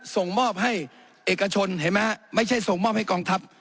ส่งมอบให้เอกชนเห็นไหมฮะไม่ใช่ส่งมอบให้กองทัพ